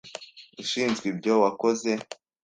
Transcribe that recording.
Ushinzwe ibyo wakoze.